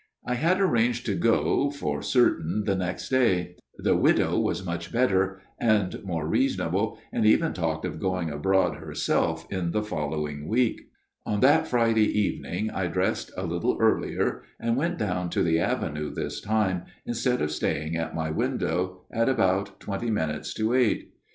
I had arranged to go for certain next day ; the widow was much better and more reasonable, and even talked of going abroad herself in the following week. " On that Friday evening I dressed a little earlier, and went down to the avenue this time, instead of staying at my window, at about twenty minutes to eight.